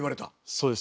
そうです。